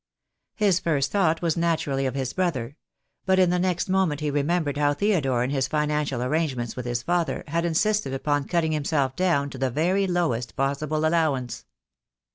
His first thought was naturally of his brother — but in the next moment he remembered how Theodore in his financial arrangements with his father had insisted upon cutting himself down to the very lowest possible allowance.